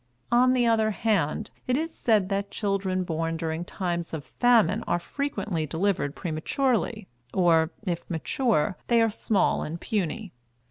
On the other hand, it is said that children born during times of famine are frequently delivered prematurely, or, if mature, they are small and puny.